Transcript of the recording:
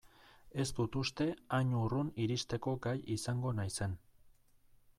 Ez dut uste hain urrun iristeko gai izango naizen.